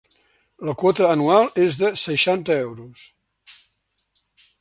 La quota anual és de seixanta euros.